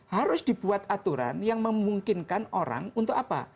harus dibuat aturan yang memungkinkan orang untuk apa